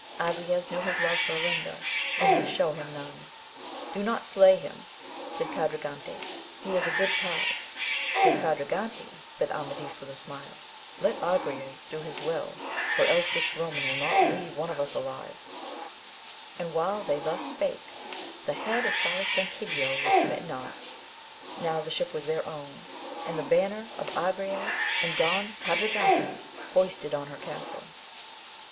Agrayes knew his love for Olinda, and would shew him none : Do not slay him, said Quadragante, he is a good prize : Sir Quadra gante, said Amadis with a smile, let Agrayes do his will, for else this Koman will not leave one of us alive; and while they thus spake, the head of Salustanquidio was smitten off Now the ship was their own, and the banner of Agrayes and Don Quadragante hoisted on her castle.